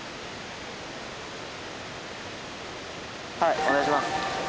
はいお願いします。